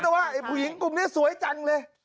แต่คุณหญิงกลุ่มนี้สวยจังเลย